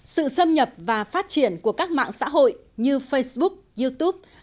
sự xâm nhập và phát triển của các mạng xã hội như facebook youtube